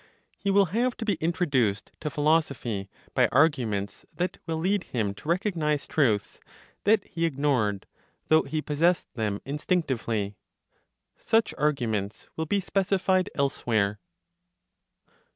He will have to be introduced to philosophy by arguments that will lead him to recognize truths that he ignored, though he possessed them instinctively. Such arguments will be specified elsewhere.